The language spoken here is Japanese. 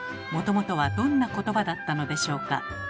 もともとはどんなことばだったのでしょうか？